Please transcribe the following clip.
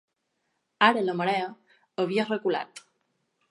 Ara la marea havia reculat.